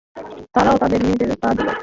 তারাও তাদের মেয়েদের তা দিল।